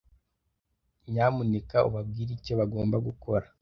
Nyamuneka ubabwire icyo bagomba gukora.